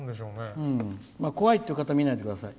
怖いっていう方見ないでください。